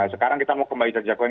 sekarang kita mau kembali jadi jagoan